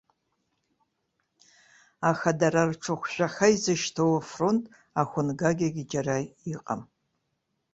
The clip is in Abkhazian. Аха, дара рҽыхәжәаха изышьҭоу афронт ахәынгагьы џьара иҟам.